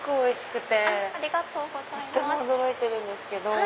とても驚いてるんですけど。